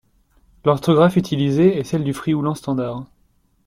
L'orthographe utilisée est celle du frioulan standard.